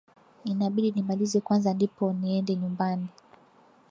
Inabidi nimalize kwanza ndipo niende nyumbani.